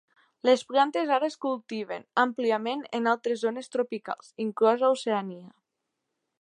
Les plantes ara es cultiven àmpliament en altres zones tropicals, inclosa Oceania.